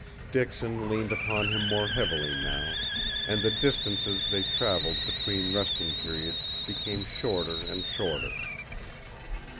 Dixon leaned upon him more heavily now, and the distances they traveled between resting periods became shorter and shorter.